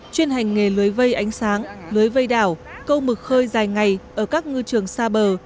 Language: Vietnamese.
chuyên hành nghề lưới vây ánh sáng lưới vây đảo câu mực khơi dài ngày ở các ngư trường xa bờ